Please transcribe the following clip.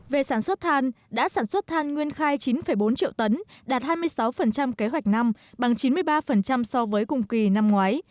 về sản xuất than đã sản xuất than nguyên khai chín bốn triệu tấn đạt hai mươi sáu kế hoạch năm bằng chín mươi ba so với cùng kỳ năm ngoái